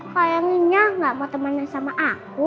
kayaknya gak mau temannya sama aku